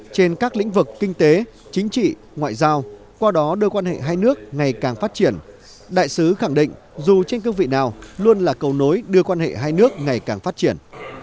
trên các lĩnh vực kinh tế chính trị ngoại giao qua đó đưa quan hệ hai nước ngày càng phát triển đại sứ khẳng định dù trên cương vị nào luôn là cầu nối đưa quan hệ hai nước ngày càng phát triển